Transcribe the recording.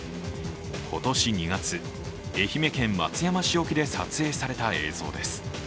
今年２月、愛媛県松山市沖で撮影された映像です。